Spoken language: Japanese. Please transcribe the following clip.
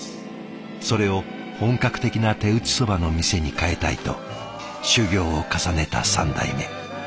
それを本格的な手打ちそばの店に変えたいと修業を重ねた３代目。